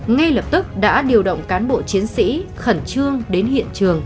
ngay lập tức đã điều động cán bộ chiến sĩ khẩn trương đến hiện trường